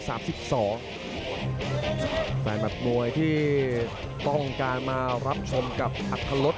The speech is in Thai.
แมทมวยที่ต้องการมารับชมกับอัตรรส